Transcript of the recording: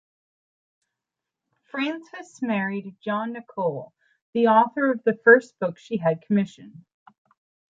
Frances married John Nicoll, the author of the first book she had commissioned.